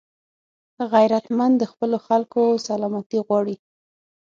غیرتمند د خپلو خلکو سلامتي غواړي